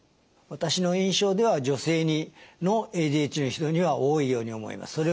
私の印象では女性のＡＤＨＤの人には多いように思います。